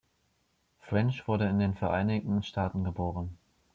French wurde in den Vereinigten Staaten geboren.